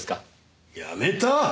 やめた！？